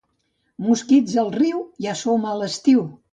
Mosquits al riu, ja som a l'estiu.